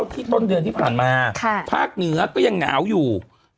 ต้นเดือนที่ผ่านมาภาคเหนือก็ยังหนาวอยู่